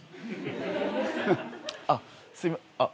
あっすいまあっ。